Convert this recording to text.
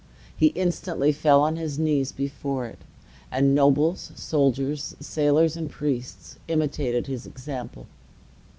He instantly fell on his knees before it; and nobles, soldiers, sailors, and priests imitated his example.